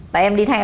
tại em đi theo mà